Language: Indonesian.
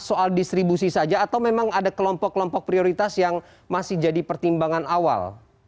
soal distribusi saja atau memang ada kelompok kelompok prioritas yang masih jadi pertimbangan awal